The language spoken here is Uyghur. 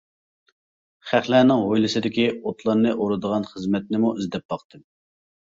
خەقلەرنىڭ ھويلىسىدىكى ئوتلارنى ئورىدىغان خىزمەتنىمۇ ئىزدەپ باقتىم.